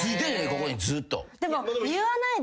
ここにずっと。